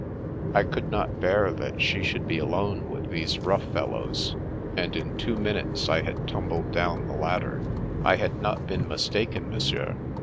I could not bear that she should be alone with these rough fellows, and in two minutes' I had tumbled down the ladder. " I had not been mistaken. Monsieur.